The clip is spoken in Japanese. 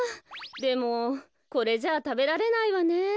でもこれじゃあたべられないわね。